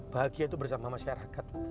bahagia bersama masyarakat